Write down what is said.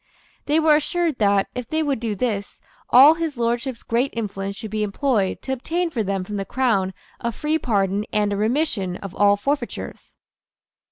They were assured that, if they would do this, all His Lordship's great influence should be employed to obtain for them from the Crown a free pardon and a remission of all forfeitures.